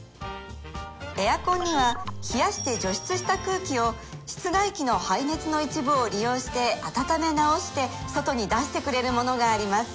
エアコンには冷やして除湿した空気を室外機の排熱の一部を利用して暖め直して外に出してくれるものがあります